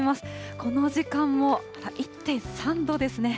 この時間も１．３度ですね。